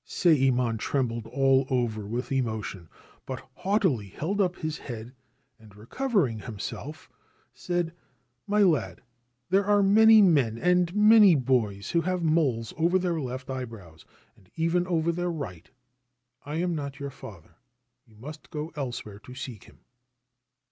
' Sayemon trembled all over with emotion ; but haughtily held up his head and, recovering himself, said :' My lad, there are many men and many boys who have moles over their left eyebrows, and even over their right. I am not your father. You must go elsewhere to seek him.'